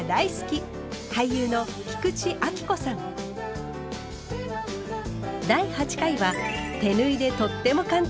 俳優の第８回は手縫いでとっても簡単！